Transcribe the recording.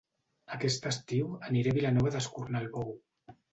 Aquest estiu aniré a Vilanova d'Escornalbou